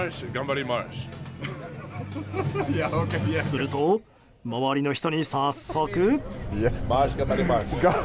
すると、周りの人に早速。